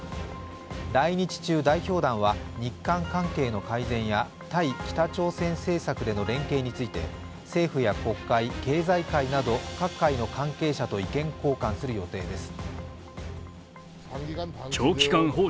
来日中、代表団は日韓関係の改善や対北朝鮮政策での連携について政府や国会、経済界など各界の関係者と意見交換する予定です。